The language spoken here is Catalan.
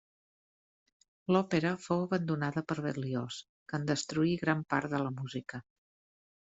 L'òpera fou abandonada per Berlioz, que en destruí gran part de la música.